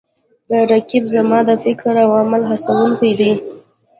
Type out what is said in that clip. رقیب زما د فکر او عمل هڅوونکی دی